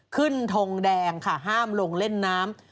ทงแดงค่ะห้ามลงเล่นน้ำ